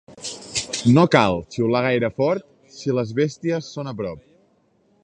No cal xiular gaire fort, si les bèsties són a prop.